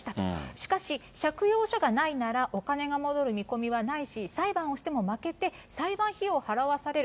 しかし、借用書がないなら、お金が戻る見込みはないし、裁判をしても負けて、裁判費用を払わされる。